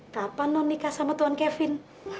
kenapa nong nikah sama tuan kevin